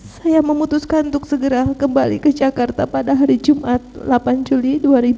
saya memutuskan untuk segera kembali ke jakarta pada hari jumat delapan juli dua ribu dua puluh